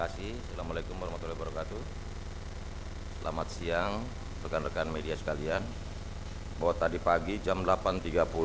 selamat pagi pak presiden